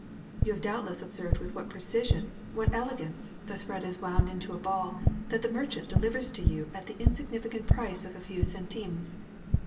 You have doubtless observed with what precision, what elegance, the thread is wound into a ball that the merchant de livers to you at the insignificant price of a few cen times.